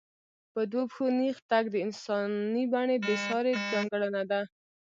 په دوو پښو نېغ تګ د انساني بڼې بېسارې ځانګړنه ده.